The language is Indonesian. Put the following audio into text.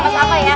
nama sama ya